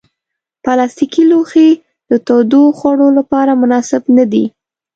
پلاستيکي لوښي د تودو خوړو لپاره مناسب نه دي.